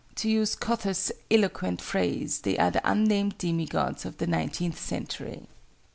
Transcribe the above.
To use Kossuth's eloquent phrase, they are the unnamed demigods of the nineteenth century."